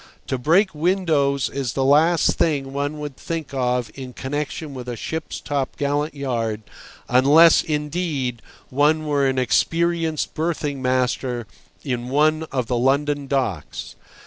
To break windows is the last thing one would think of in connection with a ship's topgallant yard, unless, indeed, one were an experienced berthing master in one of the London docks.